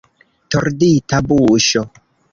Tordita buŝo.